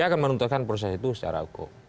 saya menuntutkan proses itu secara hukum